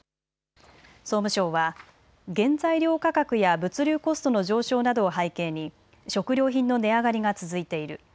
総務省は原材料価格や物流コストの上昇などを背景に食料品の値上がりが続いている。